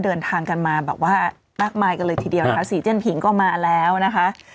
เดินทางกันมาแบบว่ามากมายกันเลยทีเดียวนะคะสีเจียนผิงก็มาแล้วนะคะ